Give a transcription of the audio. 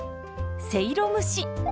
せいろ蒸し。